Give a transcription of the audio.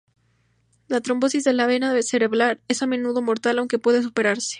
La "trombosis" de la "vena cerebral" es a menudo mortal aunque puede superarse.